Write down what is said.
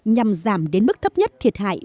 nhằm giảm đến mức thấp nhất thiệt hại